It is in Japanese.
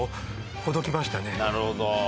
なるほど。